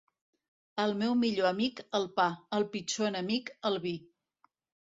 El meu millor amic, el pa; el pitjor enemic, el vi.